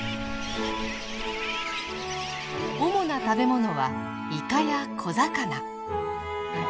主な食べ物はイカや小魚。